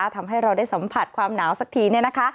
ทำให้เราได้สัมผัสความหนาวสักที